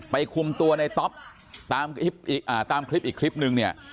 คุมตัวในต๊อปตามคลิปตามคลิปอีกคลิปนึงเนี่ย